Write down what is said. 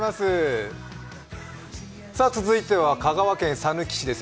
続いては香川県さぬき市です。